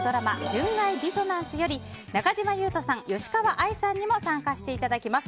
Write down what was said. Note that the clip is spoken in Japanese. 「純愛ディソナンス」より中島裕翔さん、吉川愛さんにも参加していただきます。